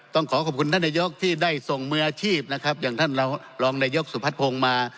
ต้องขอขอบคุณท่านนายกที่ได้ส่งมืออาชีพนะครับอย่างท่านรองนายกสุพัฒนภงมา